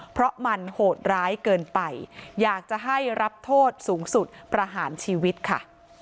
เพราะมันโหดร้ายเกินไปอยากจะให้รับโทษสูงสุดประหารชีวิตค่ะ